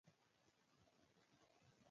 ما پریکړه وکړه چې سوداګري پیل کړم.